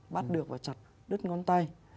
bắt được và chặt đứt ngón tay